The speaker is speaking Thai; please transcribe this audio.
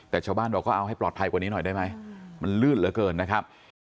แต่ชาวบ้านบอกก็เอาให้ปลอดภัยกว่านี้หน่อยได้ไหมมันลื่นเหลือเกินนะครับ